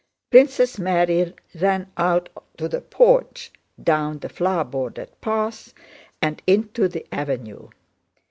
Princess Mary ran out to the porch, down the flower bordered path, and into the avenue.